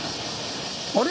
あれ？